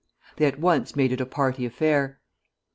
They at once made it a party affair.